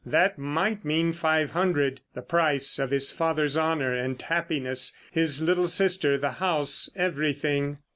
That might mean five hundred—the price of his father's honour and happiness, his little sister, the house, everything.